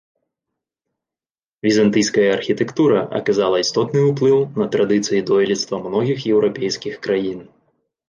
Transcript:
Візантыйская архітэктура аказала істотны ўплыў на традыцыі дойлідства многіх еўрапейскіх краін.